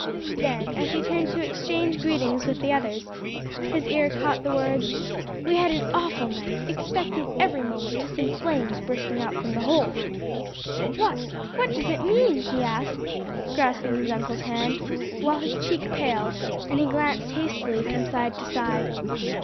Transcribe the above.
Then as he turned to exchange greetings with the others, his ear caught the words, "We had an awful night, expecting every moment to see flames bursting out from the hold." "What, what does it mean?" he asked, grasping his uncle's hand, while his cheek paled, and he glanced hastily from side to side.